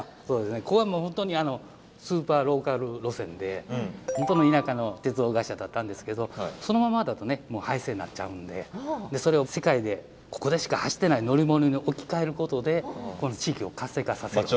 ここはもう本当にスーパーローカル路線で本当に田舎の鉄道会社だったんですけどそのままだと廃線になっちゃうんでそれを世界でここでしか走ってない乗り物に置き換えることで地域を活性化させる。